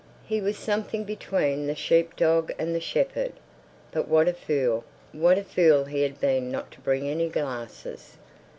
He was something between the sheep dog and the shepherd. But what a fool—what a fool he had been not to bring any glasses!